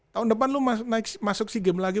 tahun depan lo masuk si game lagi